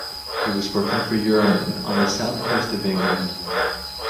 He was working for Euromin on the south coast of England.